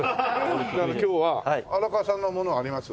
今日は荒川さんのものはあります？